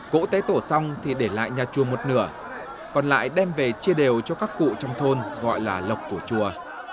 cỗ tế tổ xong thì để lại nhà chùa một nửa còn lại đem về chia đều cho các cụ trong thôn gọi là lộc của chùa